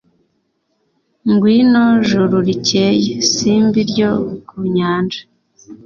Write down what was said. ngwino juru rikeye, simbi ryo kunyanjya